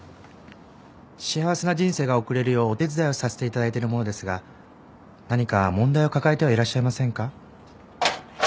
幸せな人生が送れるようお手伝いをさせていただいてる者ですが何か問題を抱えてはいらっしゃいませんか？